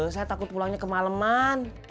saya takut pulangnya kemaleman